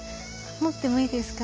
持ってもいいですか？